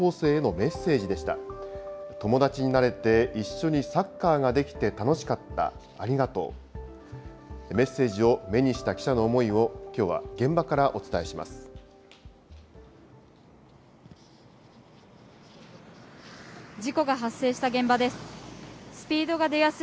メッセージを目にした記者の思いをきょうは現場からお伝えします。